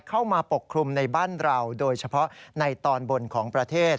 ปกคลุมในบ้านเราโดยเฉพาะในตอนบนของประเทศ